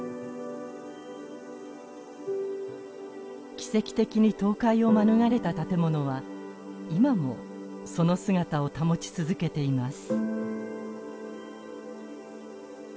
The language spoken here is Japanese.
奇跡的に倒壊を免れた建物は今もその姿を保ち続けています。